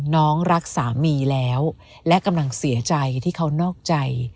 น้องรักสามีแล้วและกำลังเสียใจที่เขานอกใจ